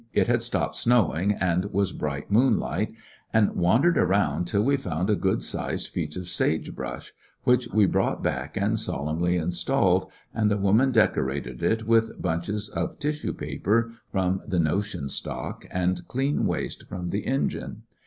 —it had stopped snowing and was bright moonlight,— and wandered around until we found a good sized piece of sage brush, which we brought back and solemnly installed, and the woman decorated it with bunches of tissue 180 Missionary m t^e Great West paper from tlie notion stock and clean waste from the engine.